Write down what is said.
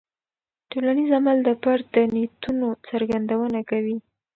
ټولنیز عمل د فرد د نیتونو څرګندونه کوي.